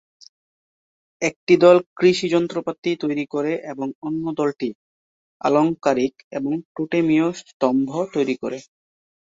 একটি দল কৃষি যন্ত্রপাতি তৈরি করে এবং অন্য দলটি আলংকারিক এবং টোটেমীয় স্তম্ভ তৈরি করে।